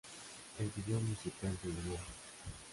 El video musical de "Would?